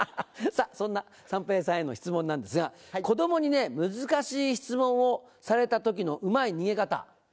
そんな三平さんへの質問なんですが「子供に難しい質問をされた時のうまい逃げ方」。